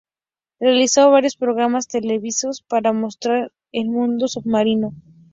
Realizó varios programas televisivos para mostrar el mundo submarino.